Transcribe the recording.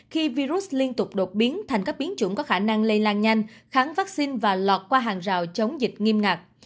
khi virus liên tục đột biến thành các biến chủng có khả năng lây lan nhanh kháng vaccine và lọt qua hàng rào chống dịch nghiêm ngặt